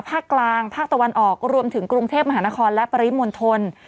ภาคกลางภาคตะวันออกรวมถึงกรุงเทพมหานครและปริมณฑล